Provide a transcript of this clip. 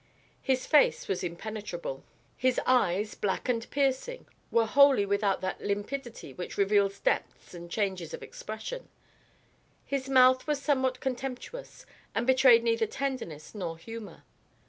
His face was impenetrable; his eyes, black and piercing, were wholly without that limpidity which reveals depths and changes of expression; his mouth was somewhat contemptuous, and betrayed neither tenderness nor humour.